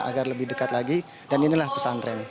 agar lebih dekat lagi dan inilah pesantren